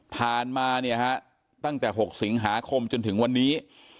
มาเนี่ยฮะตั้งแต่๖สิงหาคมจนถึงวันนี้